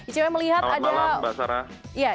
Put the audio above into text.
selamat malam mbak sarah